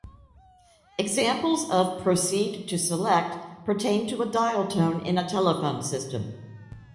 Examples of proceed-to-select pertain to a dial tone in a telephone system.